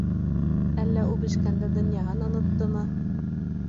Әллә үбешкәндә донъяһын оноттомо?